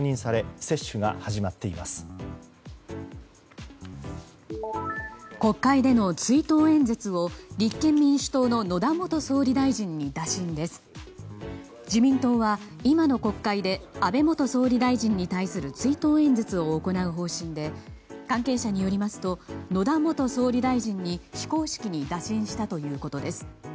自民党は今の国会で安倍元総理に対する追悼演説を行う方針で関係者によりますと野田元総理大臣に、非公式に打診したということです。